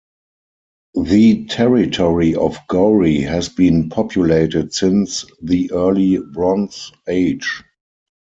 The territory of Gori has been populated since the early Bronze Age.